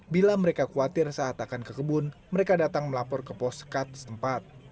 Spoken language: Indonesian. bila mereka khawatir saat akan ke kebun mereka datang melapor ke pos sekat setempat